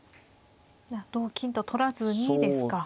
同金と取らずにですか。